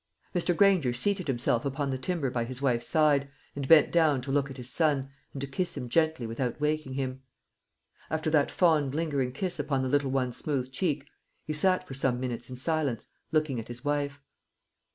Mr. Granger seated himself upon the timber by his wife's side, and bent down to look at his son, and to kiss him gently without waking him. After that fond lingering kiss upon the little one's smooth cheek, he sat for some minutes in silence, looking at his wife.